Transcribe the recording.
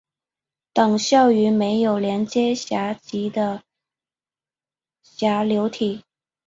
等效于没有连接闸极的闸流体。